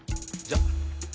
じゃあ。